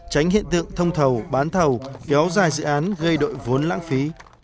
tránh hiện tượng thông thầu bán thầu kéo dài dự án gây đội vốn lãng phí